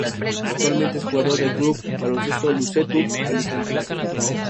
Actualmente es jugador del Club Baloncesto Lucentum Alicante.